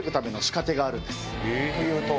というと？